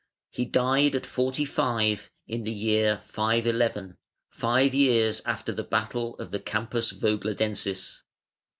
He died at forty five, in the year 511, five years after the battle of the Campus Vogladensis.